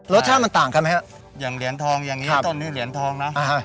รสชาติมันต่างกันไหมครับอย่างเหรียญทองอย่างนี้ต้นนี้เหรียญทองนะ